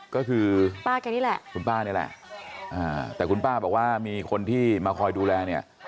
ก็คือป้าแกนี่แหละคุณป้านี่แหละแต่คุณป้าบอกว่ามีคนที่มาคอยดูแลเนี่ย